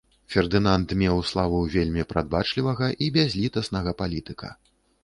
Фердынанд меў славу вельмі прадбачлівага і бязлітаснага палітыка.